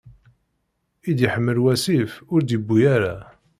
I d-iḥmel wasif, ur d-yewwi ara.